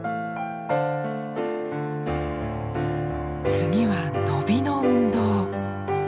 次は伸びの運動。